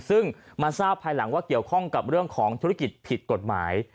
ซึ่งมาทราบภายหลังว่าเกี่ยวข้องกับเรื่องของธุรกิจผิดกฎหมาย